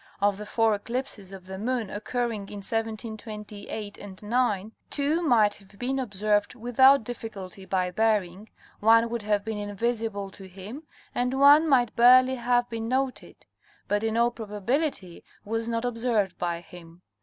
Of the four eclipses of the moon occurring in 1728 9 two might have been observed without difficulty by Bering, one would have been invisible to him, and one might barely have been noted, but in all probability was not observed by him.